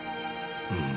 うん。